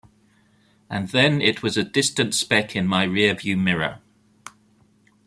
And then it was a distant speck in my rear view mirror.